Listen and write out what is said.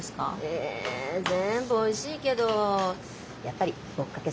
え全部おいしいけどやっぱりぼっかけそばめしかな。